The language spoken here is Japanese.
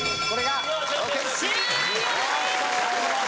終了です。